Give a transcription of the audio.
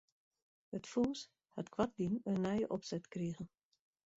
It fûns hat koartlyn in nije opset krigen.